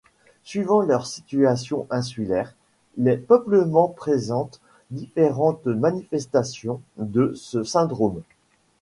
Suivant leur situation insulaire, les peuplements présentent différentes manifestations de ce syndrome.